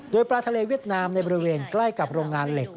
โดยปลาทะเลเวียดนามในบริเวณใกล้กับโรงงานเหล็ก